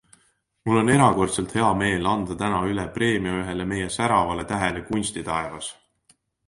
Mul on erakordselt hea meel anda täna üle preemia ühele meie säravale tähele kunstitaevas.